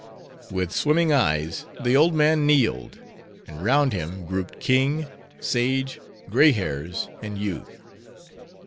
With swimming eyes the old man kneeled; and round him grouped king, sage, gray hairs, and youth.